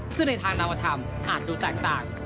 ซึ่งในทางนาวธรรมอาจดูแตกต่าง